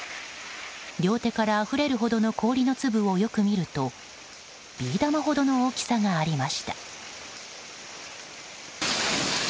両手からあふれるほどの氷の粒をよく見るとビー玉ほどの大きさがありました。